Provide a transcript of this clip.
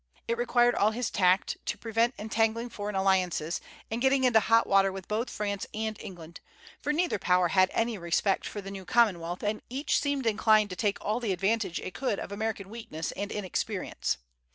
It required all his tact to prevent entangling foreign alliances, and getting into hot water with both France and England; for neither power had any respect for the new commonwealth, and each seemed inclined to take all the advantage it could of American weakness and inexperience.